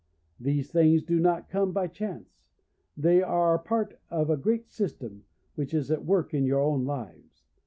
These things do not come by chance. They are part of a great system which is at work in your own lives.